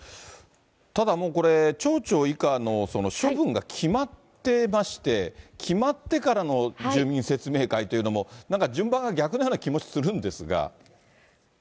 ただもうこれ、町長以下の処分が決まってまして、決まってからの住民説明会というのも、なんか順番が逆のような気がするんですが。